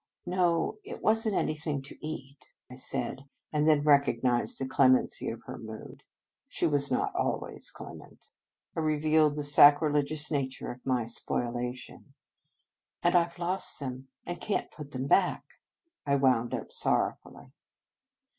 " No, it was n t anything to eat," I said; and then, recognizing the clem ency of her mood (she was not always 102 In Retreat clement), I revealed the sacrilegious nature of my spoliation. " And I ve lost them, and can t put them back," I wound up sorrowfully.